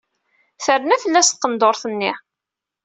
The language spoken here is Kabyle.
Terna fell-as tqendurt-nni.